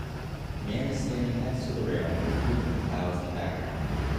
Man is standing next to the railing with beautiful clouds in the background